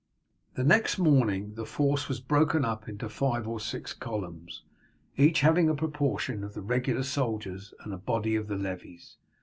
The next morning the force was broken up into five or six columns, each having a proportion of the regular soldiers and a body of the levies.